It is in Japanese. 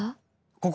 ここ！